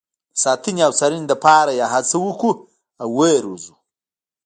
د ساتنې او څارنې لپاره یې هڅه وکړو او ویې روزو.